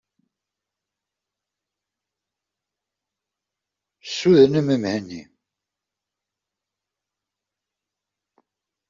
Ssudnem Mhenni.